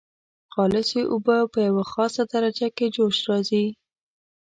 خالصې اوبه په یوه خاصه درجه کې جوش راځي.